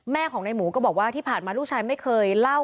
แม่ของในหมูก็บอกว่าที่ผ่านมาลูกชายไม่เคยเล่า